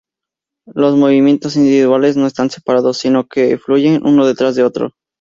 Los movimientos individuales no están separados, sino que fluyen uno detrás de otro.